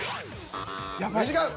違う。